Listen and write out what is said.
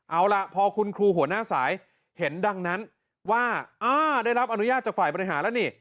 เอาล่ะพอคุณครูหัวหน้าสายเห็นดังนั้นว่าได้รับอนุญาตจากฝ่ายบริหารแล้วนี่